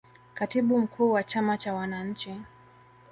katibu mkuu wa chama cha wananchi